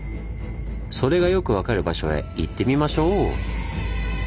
それがよく分かる場所へ行ってみましょう！